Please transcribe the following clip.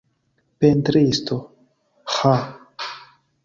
Pentristo, ĥa!..